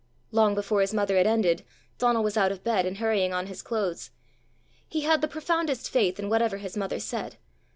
Long before his mother had ended, Donal was out of bed, and hurrying on his clothes. He had the profoundest faith in whatever his mother said.